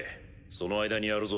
その間にやるぞ。